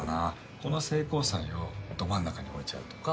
この聖光祭をど真ん中に置いちゃうとか。